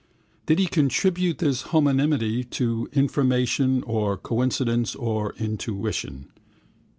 Did he attribute this homonymity to information or coincidence or intuition?